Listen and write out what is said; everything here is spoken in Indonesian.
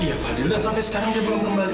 iya fadil dan sampai sekarang dia belum kembali